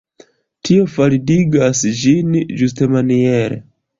Tio faldigas ĝin ĝustmaniere.